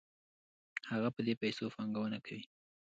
هغه په دې پیسو پانګونه کوي